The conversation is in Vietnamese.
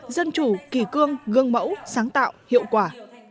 dân chủ kỳ cương gương mẫu sáng tạo hiệu quả